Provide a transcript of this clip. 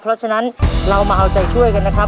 เพราะฉะนั้นเรามาเอาใจช่วยกันนะครับ